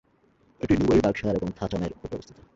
এটি নিউবারি, বার্কশায়ার এবং থ্যাচামের পূর্বে অবস্থিত।